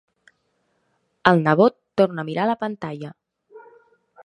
El nebot torna a mirar la pantalla.